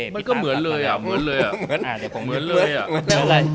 มันก็เหมือนเลยอ่ะ